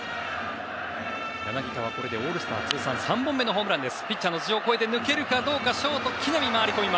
柳田はオールスター通算３本目のホームランです。